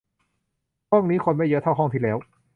ห้องนี้คนไม่เยอะเท่าห้องที่แล้ว